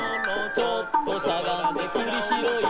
「ちょっとしゃがんでくりひろい」